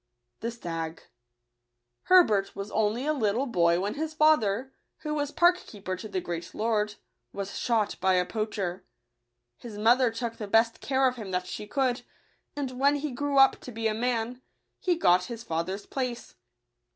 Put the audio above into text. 93 JtL Digitized by v^ooQle Stag* ERBERT was only a little boy when his father, who was park keeper to a great lord, was shot by a poacher. His mother took the best care of him that she could; and, when he grew up to be a man, he got his father's place.